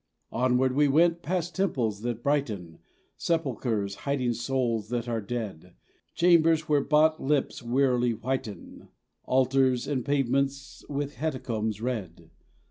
Onward we went, past temples that brighten, Sepulchres hiding souls that are dead, Chambers where bought lips wearily whiten, Altars and pavements with hecatombs red.